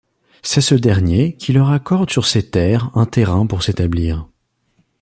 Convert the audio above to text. C'est ce dernier qui leur accorde sur ses terres un terrain pour s'établir.